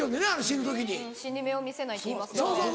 ・死に目を見せないっていいますよね